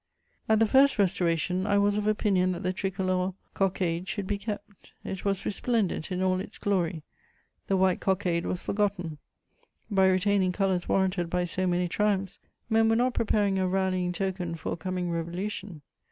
At the First Restoration, I was of opinion that the tricolour cockade should be kept: it was resplendent in all its glory; the white cockade was forgotten; by retaining colours warranted by so many triumphs, men were not preparing a rallying token for a coming revolution.